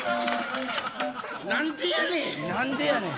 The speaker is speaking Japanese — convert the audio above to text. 何でやねん！